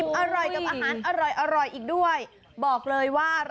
อิ่มอร่อยกับอาหารอร่อยอร่อยอีกด้วย